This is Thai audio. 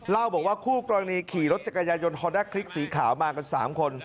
นอนอาวุว่ากลุ่มที่รถแขกขยายงนโทรดักครูสีขาวมากันสามคน